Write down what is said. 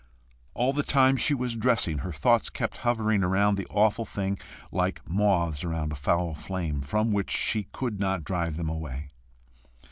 All the time she was dressing, her thoughts kept hovering round the awful thing like moths around a foul flame, from which she could not drive them away.